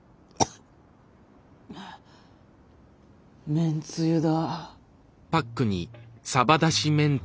めんつゆだ。